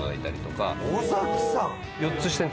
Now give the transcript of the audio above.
尾崎さん？